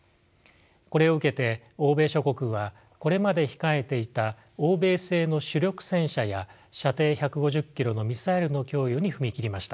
これを受けて欧米諸国はこれまで控えていた欧米製の主力戦車や射程１５０キロのミサイルの供与に踏み切りました。